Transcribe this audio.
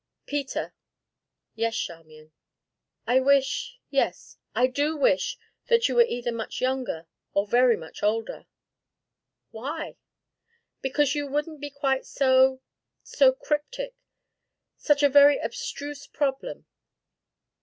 "Peter." "Yes, Charmian." "I wish, yes, I do wish that you were either much younger or very much older." "Why?" "Because you wouldn't be quite so so cryptic such a very abstruse problem.